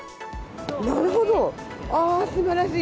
なるほど、ああ、すばらしい。